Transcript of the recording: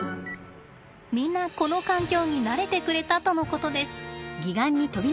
みんなこの環境に慣れてくれたとのことです。